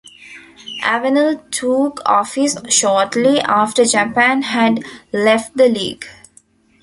Avenol took office shortly after Japan had left the League.